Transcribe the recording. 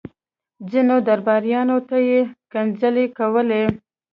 ځينو درباريانو ته يې کنځلې کولې.